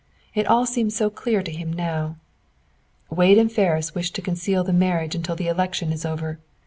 It all seemed so clear to him now. "Wade and Ferris wish to conceal the marriage until the election is over.